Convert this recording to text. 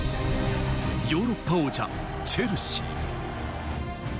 ヨーロッパ王者・チェルシー。